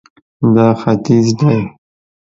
دا ختیځ دی